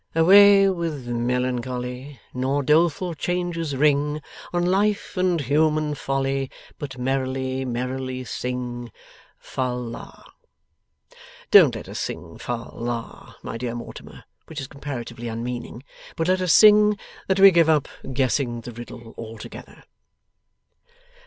"Away with melancholy, Nor doleful changes ring On life and human folly, But merrily merrily sing Fal la!" Don't let us sing Fal la, my dear Mortimer (which is comparatively unmeaning), but let us sing that we give up guessing the riddle altogether.